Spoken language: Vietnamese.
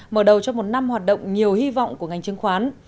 mở đầu cho một năm hoạt động nhiều hy vọng của ngành chứng khoán